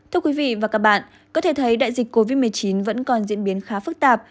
thưa quý vị và các bạn có thể thấy đại dịch covid một mươi chín vẫn còn diễn biến khá phức tạp